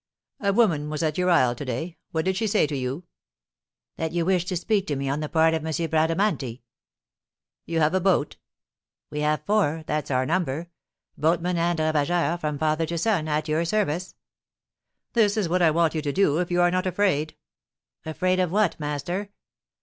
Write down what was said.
'A woman was at your isle to day: what did she say to you?' 'That you wished to speak to me on the part of M. Bradamanti.' 'You have a boat?' 'We have four, that's our number: boatmen and ravageurs, from father to son, at your service.' 'This is what I want you to do if you are not afraid ' 'Afraid of what, master?'